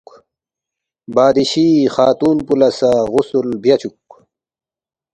بادشی خاتون پو لہ سہ غسل بیاچُوک